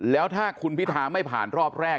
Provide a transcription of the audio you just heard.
แล้วถ้าคุณพิธาไม่ผ่านรอบแรก